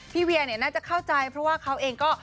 เวียเนี่ยน่าจะเข้าใจเพราะว่าเขาเองก็